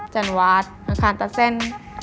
จันวาสอังคารตัดเส้น